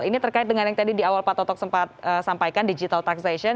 ini terkait dengan yang tadi di awal pak toto sempat sampaikan digital taxation